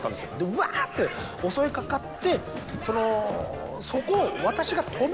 うわ！って襲いかかってそこを。